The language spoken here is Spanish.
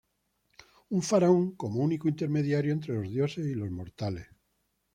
Un faraón como único intermediario entre los dioses y los mortales.